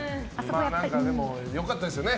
でも良かったですよね